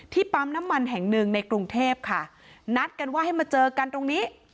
ปั๊มน้ำมันแห่งหนึ่งในกรุงเทพค่ะนัดกันว่าให้มาเจอกันตรงนี้